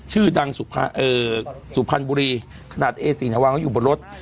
ชื่อดังสุภาเอ่อสุภัณฑ์บุรีขนาดเอสีนาวามันอยู่บนรถ